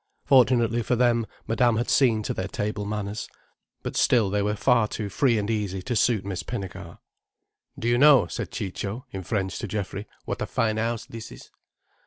Fortunately for them, Madame had seen to their table manners. But still they were far too free and easy to suit Miss Pinnegar. "Do you know," said Ciccio in French to Geoffrey, "what a fine house this is?"